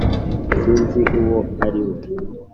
sinzi uwo ari we